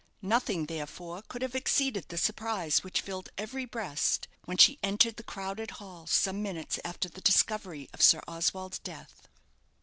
Nothing, therefore, could have exceeded the surprise which filled every breast when she entered the crowded hall some minutes after the discovery of Sir Oswald's death.